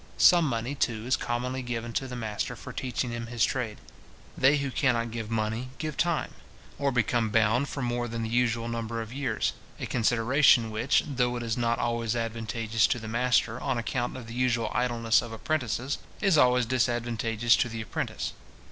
Some money, too, is commonly given to the master for teaching him his trade. They who cannot give money, give time, or become bound for more than the usual number of years; a consideration which, though it is not always advantageous to the master, on account of the usual idleness of apprentices, is always disadvantageous to the apprentice.